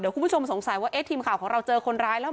คุณผู้ชมสงสัยว่าเอ๊ะทีมข่าวของเราเจอคนร้ายแล้ว